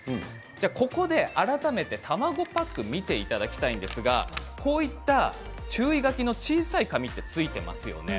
ここで改めて卵パックを見ていただきたいんですがこういった注意書きの小さい紙ってついてますよね。